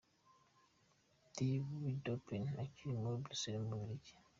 De Vaartkapoen” kiri i Brussels mu Bubiligi.